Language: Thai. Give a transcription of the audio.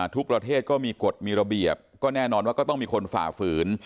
ทุกประเทศก็มีกฎมีระเบียบก็แน่นอนว่าก็ต้องมีคนฝ่าฝืน